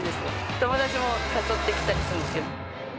友達も誘ってきたりするんですけれども。